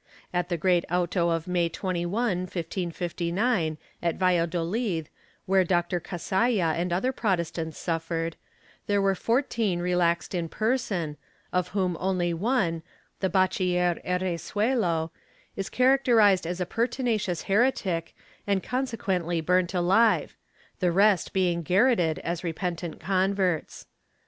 ^ At the great auto of May 21, 1559, at Valladolid where Dr. Cazalla and other Protestants suffered, there were four teen relaxed in person, of whom only one, the Bachiller Herre zuelo, is characterized as a pertinacious heretic and consequently burnt ahve, the rest being garrotted as repentant converts.